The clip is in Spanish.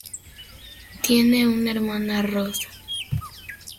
Tiene una hermana Rosa.